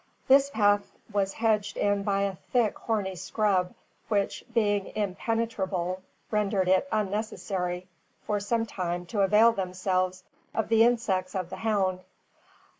This path was hedged in by a thick thorny scrub, which being impenetrable rendered it unnecessary for some time to avail themselves of the instincts of the hound.